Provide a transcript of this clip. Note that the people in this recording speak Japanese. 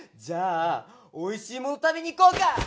じゃあおいしいもの食べに行こうか！